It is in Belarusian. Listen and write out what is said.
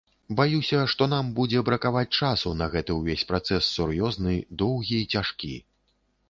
Баюся, што нам будзе бракаваць часу на гэты ўвесь працэс сур'ёзны, доўгі і цяжкі.